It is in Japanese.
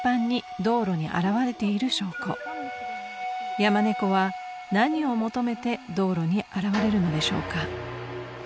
［ヤマネコは何を求めて道路に現れるのでしょうか？］